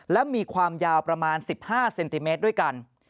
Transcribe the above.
และมีความยาวประมาณ๑๕เซนติเมตรด้วยกัน